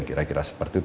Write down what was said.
kira kira seperti itu